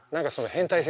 変態性。